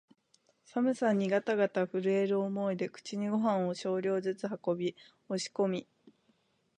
寒さにがたがた震える思いで口にごはんを少量ずつ運び、押し込み、